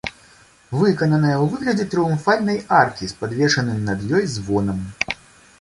Выкананая ў выглядзе трыумфальнай аркі з падвешаным над ёй звонам.